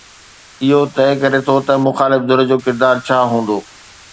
اهو طئي ڪري ٿو ته مخالف ڌر جو ڪردار ڇا هوندو.